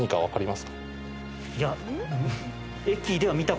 いや。